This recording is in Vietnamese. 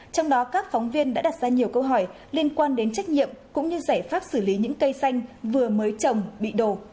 trong đó các phóng viên đã đặt ra nhiều câu hỏi liên quan đến trách nhiệm cũng như giải pháp xử lý những cây xanh vừa mới trồng bị đổ